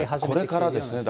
これからですね、